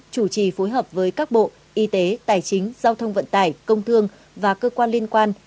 chủ trì phối hợp với các bộ y tế tài chính giao thông vận tải công thương và cơ quan liên quan